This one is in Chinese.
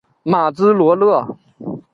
马兹罗勒。